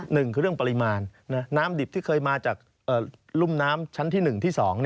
หนึ่งคือเรื่องปริมาณน้ำดิบที่เคยมาจากรุ่มน้ำชั้นที่๑ที่๒